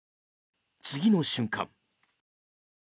次の瞬間。